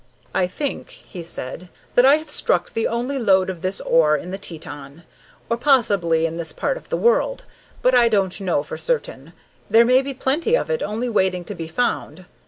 "I think," he said, "that I have struck the only lode of this ore in the Teton, or possibly in this part of the world, but I don't know for certain. There may be plenty of it only waiting to be found.